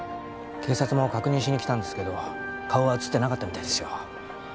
警察も確認しにきたんですけど顔は映ってなかったみたいですよ。